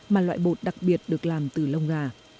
mà loại bột đặc biệt được làm từ bột mì